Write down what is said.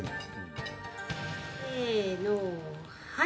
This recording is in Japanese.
せーの、はい。